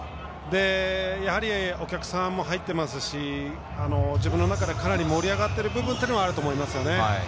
やはりお客さんも入っていますし自分の中でかなり盛り上がっている部分というのもあると思いますね。